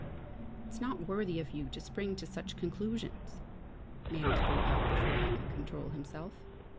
"It's not worthy of you to spring to such conclusions!" Manners broke out before he could control himself.